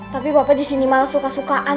tapi bapak disini malah suka sukaan